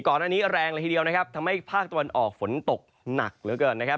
ก่อนหน้านี้แรงเลยทีเดียวนะครับทำให้ภาคตะวันออกฝนตกหนักเหลือเกินนะครับ